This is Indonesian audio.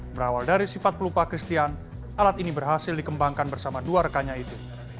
berawal dari sifat pelupa christian alat ini berhasil dikembangkan bersama dua rekannya itu